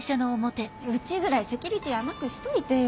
うちぐらいセキュリティー甘くしといてよ。